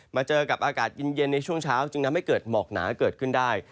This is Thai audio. มาเจอกับอากาศเย็นในช่วงเช้าจึงทำให้เกิดหมอกหนาเกิดขึ้นได้